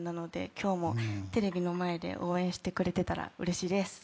今日もテレビの前で応援してくれてたらうれしいです。